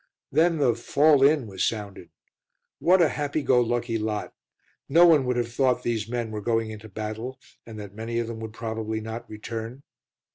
Then the "Fall in" was sounded. What a happy go lucky lot! No one would have thought these men were going into battle, and that many of them would probably not return.